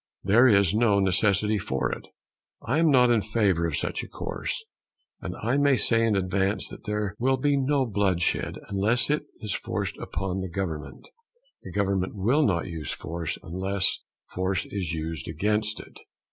There is no necessity for it. I am not in favour of such a course; and I may say in advance that there will be no bloodshed unless it is forced upon the government. The government will not use force unless force is used against it.